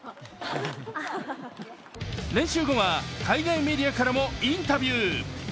練習後は海外メディアからもインタビュー。